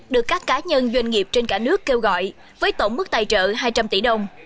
được các cá nhân doanh nghiệp trên cả nước kêu gọi với tổng mức tài trợ hai trăm linh tỷ đồng